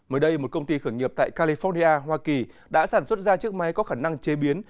mới đây một công ty khởi nghiệp tại california hoa kỳ đã sản xuất ra chiếc máy có khả năng chế biến